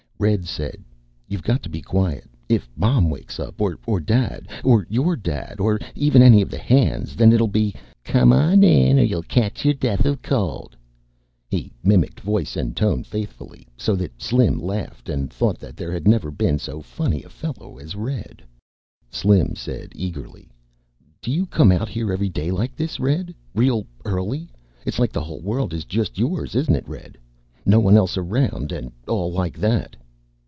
Red said, "You've got to be quiet. If Mom wakes up or Dad or your Dad or even any of the hands then it'll be 'Come on in or you'll catch your death of cold.'" He mimicked voice and tone faithfully, so that Slim laughed and thought that there had never been so funny a fellow as Red. Slim said, eagerly, "Do you come out here every day like this, Red? Real early? It's like the whole world is just yours, isn't it, Red? No one else around and all like that."